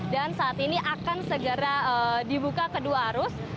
dan saat ini akan segera dibuka kedua arus